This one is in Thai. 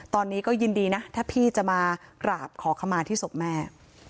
ตอนนี้ก็ยินดีนะถ้าพี่จะมากราบขอขมาที่ศพแม่